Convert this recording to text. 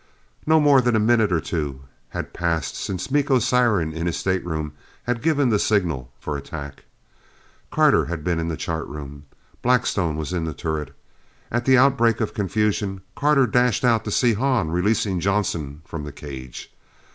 No more than a minute or two had passed since Miko's siren in his stateroom had given the signal for attack. Carter had been in the chart room. Blackstone was in the turret. At the outbreak of confusion, Carter dashed out to see Hahn releasing Johnson from the cage.